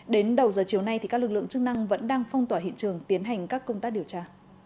đến đầu giờ chiều nay các lực lượng chức năng vẫn đang phong tỏa hiện trường tiến hành các công tác điều tra